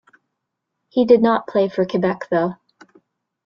He did not play for Quebec though.